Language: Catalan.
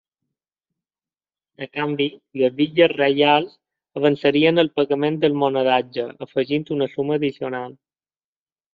A canvi, les viles reials avançarien el pagament del monedatge, afegint una suma addicional.